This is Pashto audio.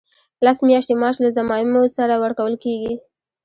لس میاشتې معاش له ضمایمو سره ورکول کیږي.